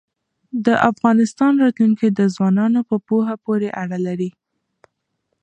د افغانستان راتلونکی د ځوانانو په پوهه پورې اړه لري.